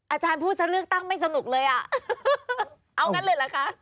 อาจารย์พูดซะเลือกตั้งไม่สนุกเลยอ่ะเอางั้นเลยเหรอคะ